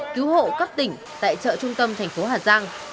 cứu hộ cấp tỉnh tại chợ trung tâm thành phố hà giang